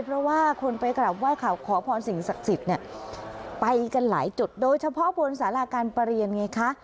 เพราะว่าคนไปกลับไห้ข่าวขอพรสิ่งศักดิ์สิทธิ์เนี่ยไปกันหลายจุดโดยเฉพาะบนสาราการประเรียนไงคะ